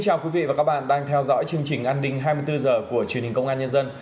chào quý vị và các bạn đang theo dõi chương trình an ninh hai mươi bốn h của truyền hình công an nhân dân